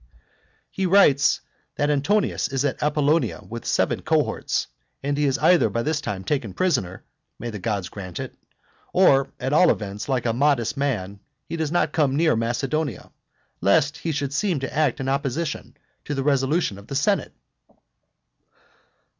He writes, that Antonius is at Apollonia with seven cohorts, and he is either by this time taken prisoner, (may the gods grant it!) or, at all events, like a modest man, he does not come near Macedonia, lest he should seem to act in opposition to the resolution of the senate.